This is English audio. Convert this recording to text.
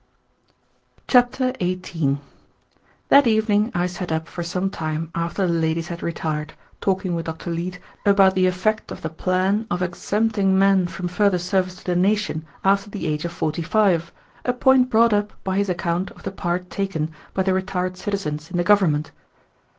Chapter 18 That evening I sat up for some time after the ladies had retired, talking with Dr. Leete about the effect of the plan of exempting men from further service to the nation after the age of forty five, a point brought up by his account of the part taken by the retired citizens in the government.